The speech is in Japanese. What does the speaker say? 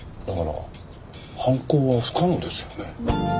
だから犯行は不可能ですよね。